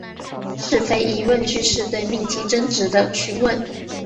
是非疑问句是对命题真值的询问。